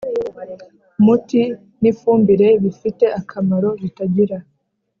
muti n ifumbire bifite akamaro bitagira